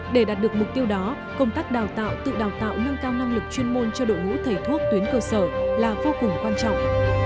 để đạt được mục tiêu đó công tác đào tạo tự đào tạo nâng cao năng lực chuyên môn cho đội ngũ thầy thuốc tuyến cơ sở là vô cùng quan trọng